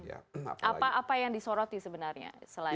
apa yang disoroti sebenarnya